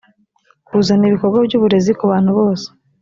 kuzana ibikorwa by uburezi ku bantu bose